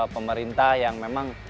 pemerintah yang memang